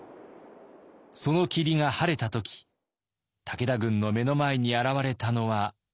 その霧が晴れた時武田軍の目の前に現れたのは。